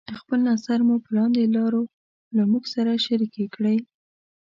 خپل نظر مو پر لاندې لارو له موږ سره شريکې کړئ: